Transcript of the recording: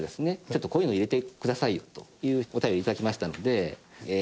ちょっとこういうの入れてくださいよというお便り頂きましたのでえー